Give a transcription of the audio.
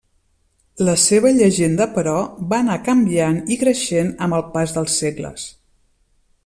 La seva llegenda, però, va anar canviant i creixent amb el pas dels segles.